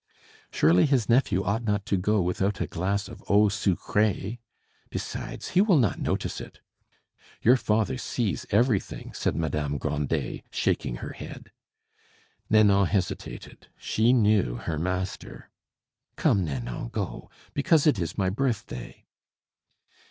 "Surely his nephew ought not to go without a glass of eau sucree? Besides, he will not notice it." "Your father sees everything," said Madame Grandet, shaking her head. Nanon hesitated; she knew her master. "Come, Nanon, go, because it is my birthday."